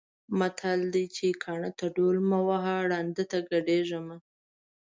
متل دی چې: کاڼۀ ته ډول مه وهه، ړانده ته ګډېږه مه.